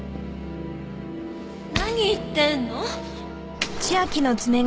何言ってんの？